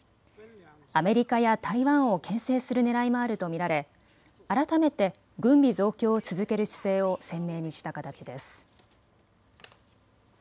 アメリカや台湾をけん制するねらいもあると見られ改めて軍備増強を続ける姿勢を鮮明にした形です。